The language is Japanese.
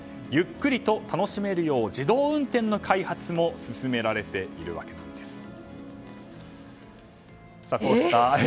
ゆっくりと楽しめるよう自動運転の開発も進められているわけなんです。